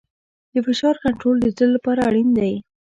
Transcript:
د فشار کنټرول د زړه لپاره اړین دی.